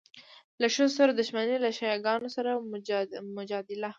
له ښځو سره دښمني، له شیعه ګانو سره مجادله.